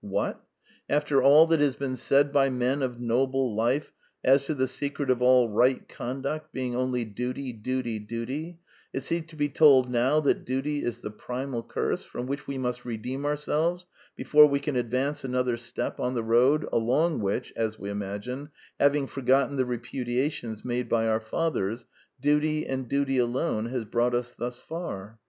What! after all that has been said by men of noble life as to the secret of all right conduct being only Duty, Duty, Duty, is he to be told now that duty is the primal curse from which we must redeem ourselves before we can advance another step on the road along which, as we imagine (having forgotten the repudiations made by our fathers) duty and duty alone has brought us thus far?